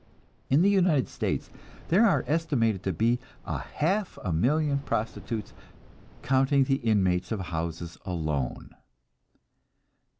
In the United States there are estimated to be a half a million prostitutes, counting the inmates of houses alone.